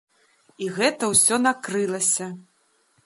І гэта ўсё накрылася.